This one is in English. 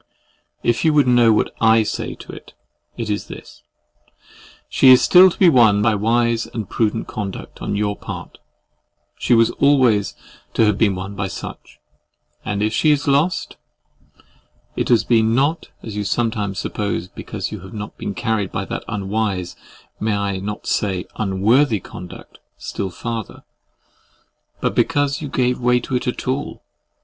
If you would know what I say to it, it is this:—She is still to be won by wise and prudent conduct on your part; she was always to have been won by such;—and if she is lost, it has been not, as you sometimes suppose, because you have not carried that unwise, may I not say UNWORTHY? conduct still farther, but because you gave way to it at all.